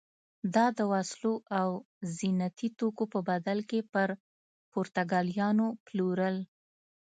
دا د وسلو او زینتي توکو په بدل کې پر پرتګالیانو پلورل.